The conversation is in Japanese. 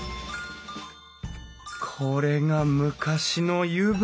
これが昔の湯船。